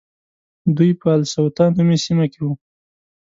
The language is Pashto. دوی په السطوة نومې سیمه کې وو.